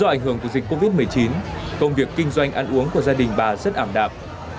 do ảnh hưởng của dịch covid một mươi chín công việc kinh doanh ăn uống của gia đình bà rất ảm đạp